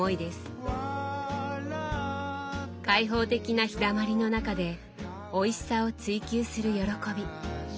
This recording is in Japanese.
開放的な日だまりの中でおいしさを追求する喜び。